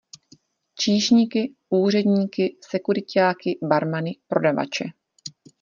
Číšníky, úředníky, sekuriťáky, barmany, prodavače.